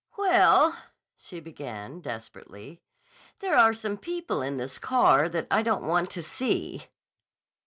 "Well," she began desperately, "there' are some people in this car that I don't want to see."